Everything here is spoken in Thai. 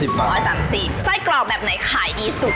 ไส้กรอกแบบไหนขายดีสุด